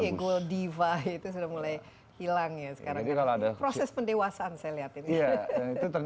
jadi ego diva itu sudah mulai hilang ya sekarang ya proses pendewasaan saya lihat ini